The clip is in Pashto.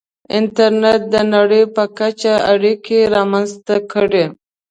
• انټرنېټ د نړۍ په کچه اړیکې رامنځته کړې.